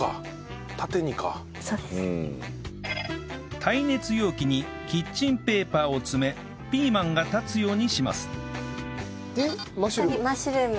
耐熱容器にキッチンペーパーを詰めピーマンが立つようにしますでマッシュルーム。